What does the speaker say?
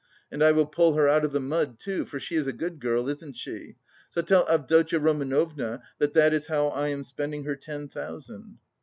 And I will pull her out of the mud too, for she is a good girl, isn't she? So tell Avdotya Romanovna that that is how I am spending her ten thousand."